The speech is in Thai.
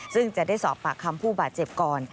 ซึ่งจะได้สอบปากคำผู้บาดเจ็บก่อน